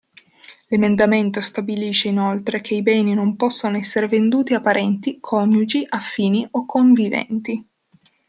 L'emendamento stabilisce inoltre che i beni non possono essere venduti a parenti, coniugi, affini o conviventi.